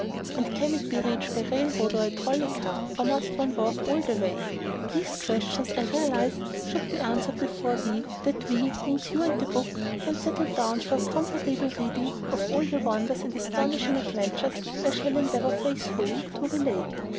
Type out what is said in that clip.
And can it be reached by a railroad or a trolley car, or must one walk all the way? These questions I realize should be answered before we (that "we" means you and the book) can settle down for a comfortable reading of all the wonders and astonishing adventures I shall endeavor faithfully to relate.